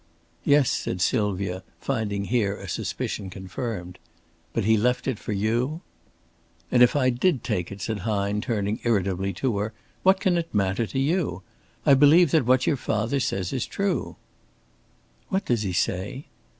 "Yes," said Sylvia, finding here a suspicion confirmed. "But he left it for you?" "And if I did take it," said Hine, turning irritably to her, "what can it matter to you? I believe that what your father says is true." "What does he say?"